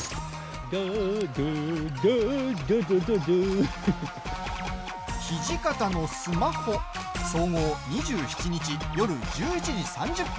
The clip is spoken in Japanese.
「土方のスマホ」総合、２７日、夜１１時３０分。